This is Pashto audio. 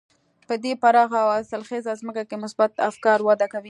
په دې پراخه او حاصلخېزه ځمکه کې مثبت افکار وده کوي.